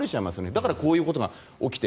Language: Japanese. だからこういうものが起きて。